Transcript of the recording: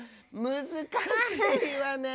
むずかしいわね！